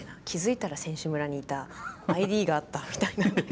気付いたら選手村にいたＩＤがあったみたいな。